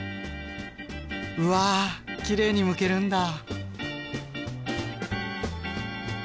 うわきれいにむけるんだ！